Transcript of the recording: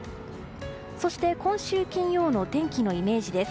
そして、今週金曜の天気のイメージです。